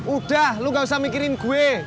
udah lu gak usah mikirin gue